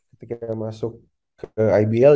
ketika masuk ke ibl